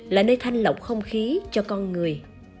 là nơi thanh lọc không khí cho con người